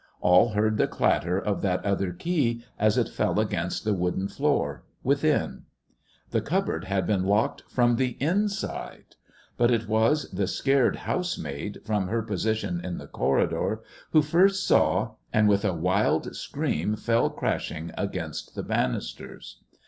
All heard the clatter of that other key as it fell against the wooden floor within. The cupboard had been locked from the inside. But it was the scared housemaid, from her position in the corridor, who first saw and with a wild scream fell crashing against the bannisters.